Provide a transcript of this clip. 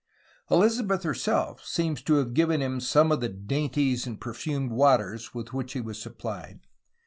Elizabeth herself seems to have given him some of the '^dainties and perfumed waters'' with which he was supplied.